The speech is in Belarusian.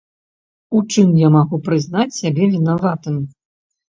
У чым я магу прызнаць сябе вінаватым?